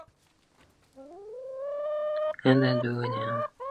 The warhead then enters a more stable re-entry trajectory due to its spinning motion.